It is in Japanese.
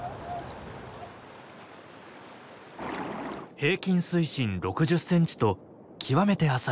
平均水深６０センチと極めて浅いウトナイ湖。